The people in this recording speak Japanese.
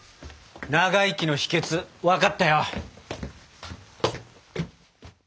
長生きの秘訣分かったよ。